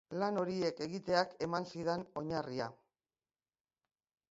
Lan horiek egiteak eman zidan oinarria.